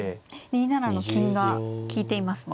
２七の金が利いていますね。